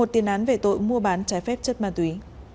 một tiền án về tội mua bán trái phép chất ma túy